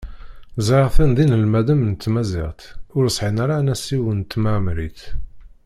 Ẓriɣ-ten d inelmaden n tmaziɣt, ur sɛin ara anasiw n temɛemmrit.